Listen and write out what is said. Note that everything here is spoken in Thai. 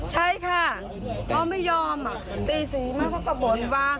ใช่ค่ะเขาไม่ยอมตีศรีนอกมาเราก็บ่นว่า